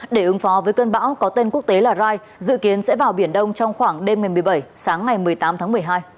để ứng phó với cơn bão có tên quốc tế là rai dự kiến sẽ vào biển đông trong khoảng đêm ngày một mươi bảy sáng ngày một mươi tám tháng một mươi hai